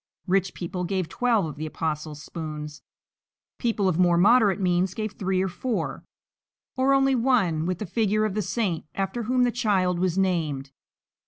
Rich people gave twelve of the "apostles' spoons;" people of more moderate means gave three or four, or only one with the figure of the saint after whom the child was named.